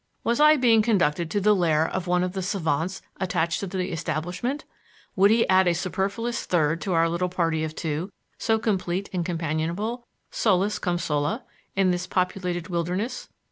Was I being conducted to the lair of one of the savants attached to the establishment? and would he add a superfluous third to our little party of two, so complete and companionable, solus cum sola, in this populated wilderness?